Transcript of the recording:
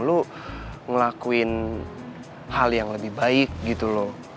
lu ngelakuin hal yang lebih baik gitu loh